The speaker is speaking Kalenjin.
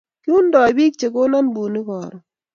kiiundoi biik che konan bunik karon